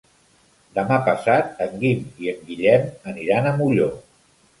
Demà passat en Guim i en Guillem aniran a Molló.